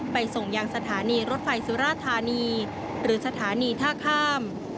ส่งยังสถานีรถไฟสุราธานีหรือสถานีท่าข้าม